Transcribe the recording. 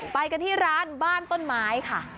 ไปกันที่ร้านบ้านต้นไม้ค่ะ